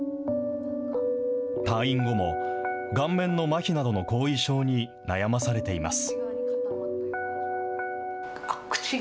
退院後も、顔面のまひなどの後遺症に悩まされています。